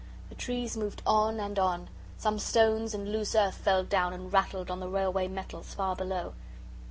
The trees moved on and on. Some stones and loose earth fell down and rattled on the railway metals far below.